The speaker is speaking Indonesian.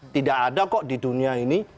tidak ada kok di dunia ini